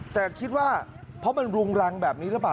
แต่คิดว่าเพราะมันรุงรังแบบนี้หรือเปล่า